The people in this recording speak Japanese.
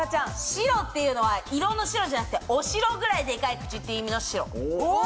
シロっていうのは色の白じゃなくてお城ぐらいデカい口って意味のシロ。